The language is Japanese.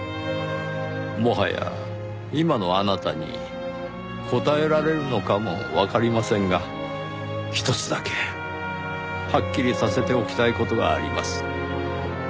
もはや今のあなたに答えられるのかもわかりませんがひとつだけはっきりさせておきたい事があります。